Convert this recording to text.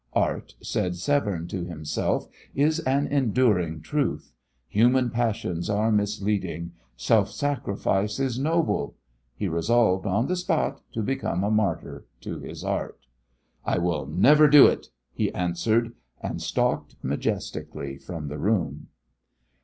Art, said Severne to himself, is an enduring truth. Human passions are misleading. Self sacrifice is noble. He resolved on the spot to become a martyr to his art. "I will never do it!" he answered, and stalked majestically from the room.